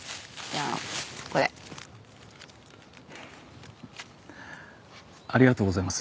ありがとうございます。